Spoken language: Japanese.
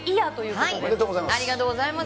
おめでとうございます。